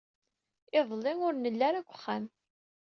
Iḍelli, ur nelli ara deg uxxam.